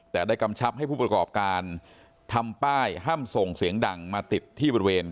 แต่ได้กำชับให้ผู้ประกอบการทำป้ายห้ามส่งเสียงดังมาติดที่บริเวณ